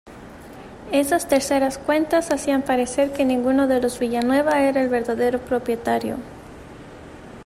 Esas terceras cuentas hacían parecer que ninguno de los Villanueva era el verdadero propietario.